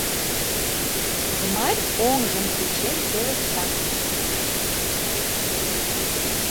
— Гмарь оҥжым кучен пелешта.